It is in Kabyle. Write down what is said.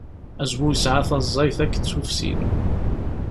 Azwu yesɛa taẓẓayt akked tufsin.